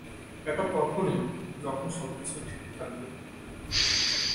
এটা তখনই যখন সবকিছু ঠিক থাকবে।